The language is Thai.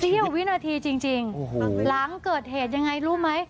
ี้ยววินาทีจริงหลังเกิดเหตุยังไงรู้ไหม